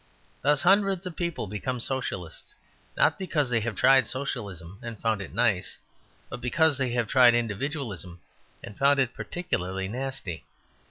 Thus, hundreds of people become Socialists, not because they have tried Socialism and found it nice, but because they have tried Individualism and found it particularly nasty.